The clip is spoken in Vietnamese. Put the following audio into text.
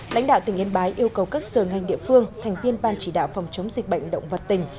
lãnh đạo tỉnh yên bái yêu cầu các sở ngành địa phương thành viên ban chỉ đạo phòng chống dịch bệnh động vật tỉnh